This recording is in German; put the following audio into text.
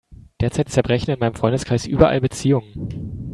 Derzeit zerbrechen in meinem Freundeskreis überall Beziehungen.